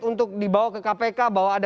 untuk dibawa ke kpk bahwa ada